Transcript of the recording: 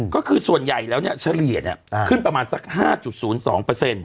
ก็คือส่วนใหญ่แล้วเนี่ยเฉลี่ยขึ้นประมาณสัก๕๐๒เปอร์เซ็นต